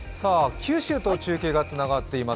九州と中継がつながっています。